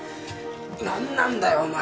何なんだよ？